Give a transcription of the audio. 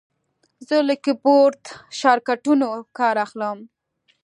زه له کیبورډ شارټکټونو کار اخلم.